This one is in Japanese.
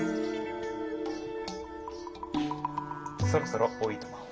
そろそろおいとまを。